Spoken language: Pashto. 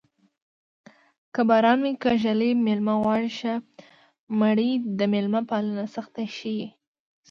که باران وي که ږلۍ مېلمه غواړي ښه مړۍ د مېلمه پالنې سختي ښيي